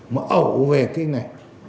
mà ẩu về cái này